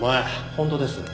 本当です。